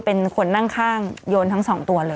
เป็นคนนั่งข้างโยนทั้งสองตัวเลย